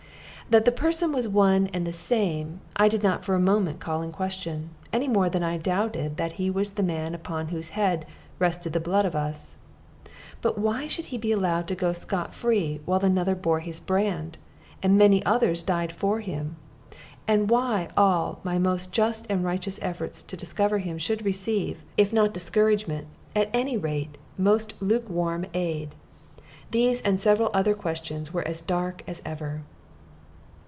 That the person was one and the same, I did not for a moment call in question, any more than I doubted that he was the man upon whose head rested the blood of us. But why he should be allowed to go scot free while another bore his brand, and many others died for him, and why all my most just and righteous efforts to discover him should receive, if not discouragement, at any rate most lukewarm aid these and several other questions were as dark as ever.